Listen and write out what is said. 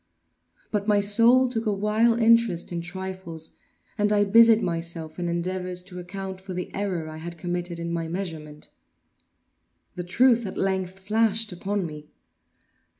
But my soul took a wild interest in trifles, and I busied myself in endeavors to account for the error I had committed in my measurement. The truth at length flashed upon me.